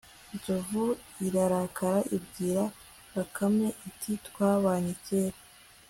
nzovu irarakara, ibwira bakame iti 'twabanye kera